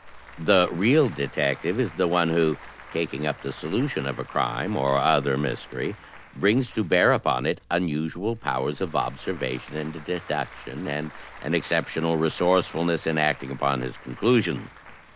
The real detective is the one who, taking up the solution of a crime or other mystery, brings to bear upon it imusual powers of observation and deduction and an exceptional resourcefulness in acting upon his conclusions.